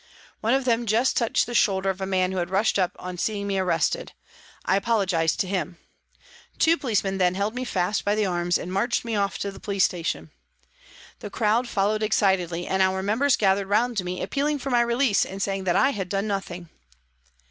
One of them just touched the shoulder of a man who had rushed up on seeing me arrested. I apologised to him. Two policemen then held me fast by the arms and marched me off to the police station. The crowd followed excitedly, and our members gathered round me, appealing for my release and saying that I had done nothing.